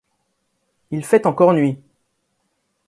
Il fait encore nuit.